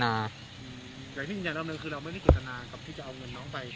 อย่างนี้อย่างเดิมหนึ่งคือเราไม่ได้เจตนากับที่จะเอาเงินน้องไป